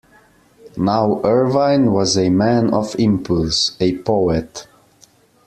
Now Irvine was a man of impulse, a poet.